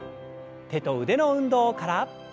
手と腕の運動から。